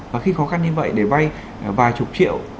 và khi khó khăn như vậy để vay vài chục triệu